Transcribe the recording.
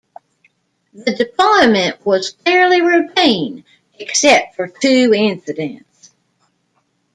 The deployment was fairly routine except for two incidents.